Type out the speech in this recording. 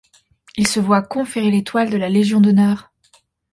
Il se voit conférer l'étoile de la Légion d'honneur.